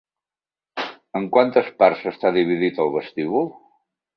En quantes parts està dividit el vestíbul?